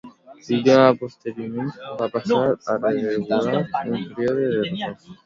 La unitat posteriorment va passar a rereguarda, en un període de repòs.